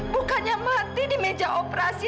bukannya mati di meja operasi